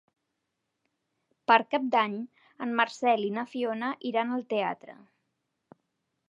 Per Cap d'Any en Marcel i na Fiona iran al teatre.